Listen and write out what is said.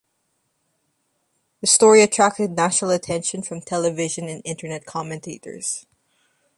The story attracted national attention from television and internet commentators.